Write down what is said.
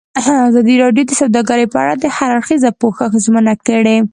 ازادي راډیو د سوداګري په اړه د هر اړخیز پوښښ ژمنه کړې.